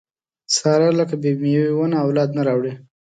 ساره لکه بې مېوې ونه اولاد نه راوړي.